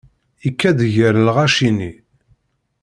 Yekka-d gar lɣaci-nni.